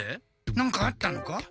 何かあったのか？